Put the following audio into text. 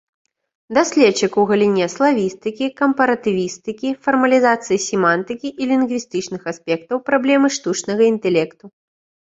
Даследчык у галіне славістыкі, кампаратывістыкі, фармалізацыі семантыкі і лінгвістычных аспектаў праблемы штучнага інтэлекту.